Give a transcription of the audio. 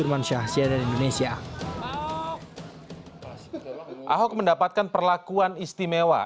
ahok mendapatkan perlakuan istimewa